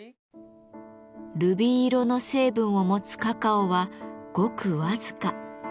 ルビー色の成分を持つカカオはごく僅か。